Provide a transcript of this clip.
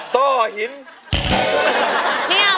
โต้หิน